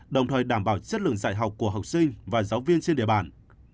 đồng thời đảm bảo chất lượng dạy học của học sinh và giáo viên trên địa bàn